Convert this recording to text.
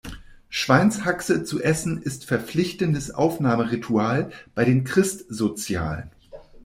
Schweinshaxe zu essen, ist verpflichtendes Aufnahmeritual bei den Christsozialen.